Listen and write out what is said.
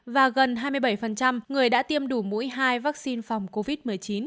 và gần hai mươi bảy người đã tiêm đủ mũi hai vaccine phòng covid một mươi chín